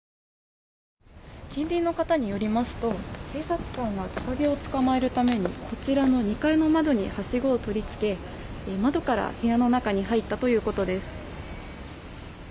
近隣の方によりますと警察はトカゲを捕まえるために２階の窓にはしごを取り付け窓から部屋の中に入ったということです。